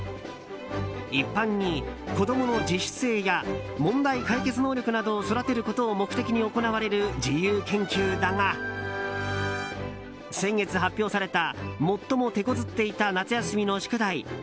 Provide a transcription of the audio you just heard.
一般に子供の自主性や問題解決能力などを育てることを目的に行われる自由研究だが先月、発表された最も手こずっていた夏休みの宿題